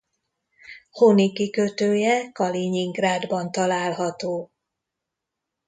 Honi kikötője Kalinyingrádban található.